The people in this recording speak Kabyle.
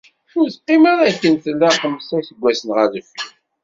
Ur teqqim ara akken tella xemsa iseggasen ɣer deffir.